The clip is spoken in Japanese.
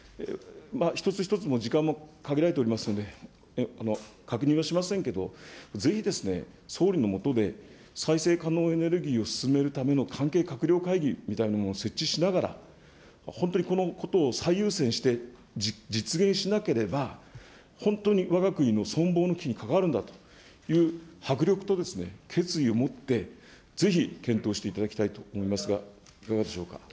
一つ一つ、時間も限られておりますので、確認はしませんけど、ぜひ総理の下で、再生可能エネルギーを進めるための関係閣僚会議みたいなものを設置しながら、本当にこのことを最優先して実現しなければ、本当にわが国の存亡の危機に関わるんだという迫力と決意を持って、ぜひ検討していただきたいと思いますが、いかがでしょうか。